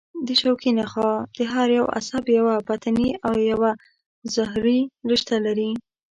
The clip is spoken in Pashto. د شوکي نخاع هر یو عصب یوه بطني او یوه ظهري رشته لري.